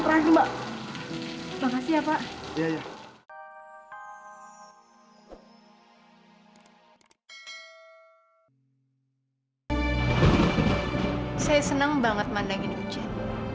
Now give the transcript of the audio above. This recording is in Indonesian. saya senang banget mandangin hujan